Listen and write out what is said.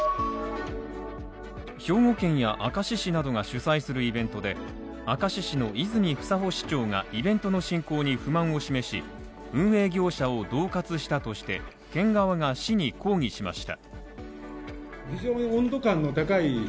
兵庫県や明石市などが主催するイベントで明石市の泉房穂市長が、イベントの進行に不満を示し、運営業者を恫喝したとして、県側が市に抗議しました。